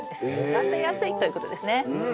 育てやすいということですね。